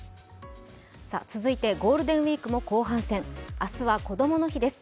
続いてゴールデンウイークも後半戦、明日はこどもの日です。